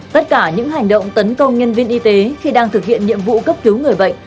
tất cả những hành động tấn công nhân viên y tế khi đang thực hiện nhiệm vụ cấp cứu người bệnh